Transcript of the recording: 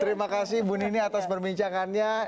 terima kasih bu nini atas perbincangannya